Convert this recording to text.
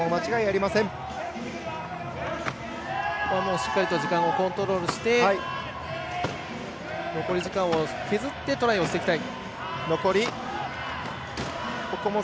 しっかりと時間をコントロールして残り時間を削ってトライをしていきたい。